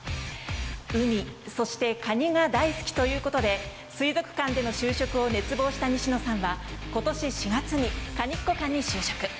海、そしてカニが大好きということで、水族館での就職を熱望した西野さんはことし４月にかにっこ館に就職。